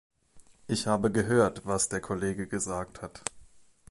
Ich habe gehört, was der Kollege gesagt hat.